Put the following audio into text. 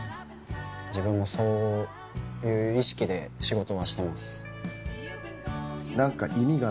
自分もそういう意識で仕事はしてます。